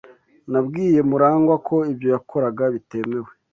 Nabwiye Murangwa ko ibyo yakoraga bitemewe.